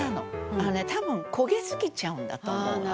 あのね多分焦げすぎちゃうんだと思うのね。